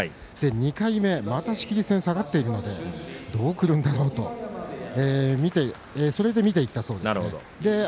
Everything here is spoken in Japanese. ２回目、また仕切り線下がっているのでどうくるんだろうとそれで見ていたそうです。